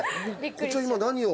こちら今何を？